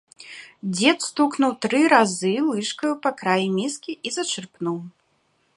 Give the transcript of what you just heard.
Дзед стукнуў тры разы лыжкаю па краі міскі і зачэрпнуў.